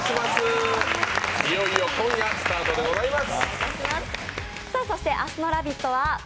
いよいよ今夜スタートでございます。